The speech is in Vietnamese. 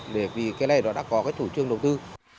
để vì cái này nó đã có cái chủ trương đầu tư